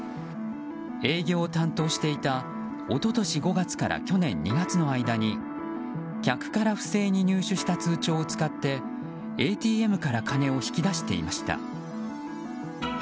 営業を担当していた一昨年５月から去年２月の間に客から不正に入手した通帳を使ってＡＴＭから金を引き出していました。